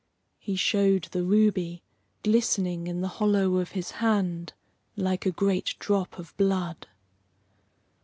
He showed the ruby, glistening in the hollow of his hand like a great drop of blood.